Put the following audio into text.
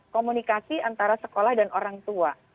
komunikasi antara sekolah dan orang tua